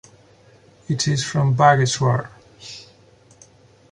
It is from Bageshwar.